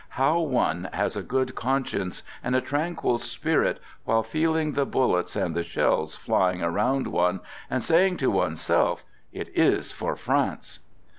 ... How one ' has a good conscience and a tranquil spirit while : feeling the bullets and the shells flying around one, and saying to oneself: " It is for France!